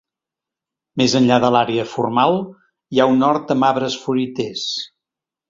Més enllà de l'àrea formal hi ha un hort amb arbres fruiters.